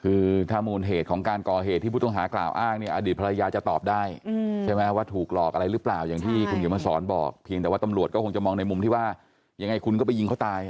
คือถ้ามูลเหตุของการก่อเหตุที่ผู้ต้องหากล่าวอ้างเนี่ยอดีตภรรยาจะตอบได้ใช่ไหมว่าถูกหลอกอะไรหรือเปล่าอย่างที่คุณเขียนมาสอนบอกเพียงแต่ว่าตำรวจก็คงจะมองในมุมที่ว่ายังไงคุณก็ไปยิงเขาตาย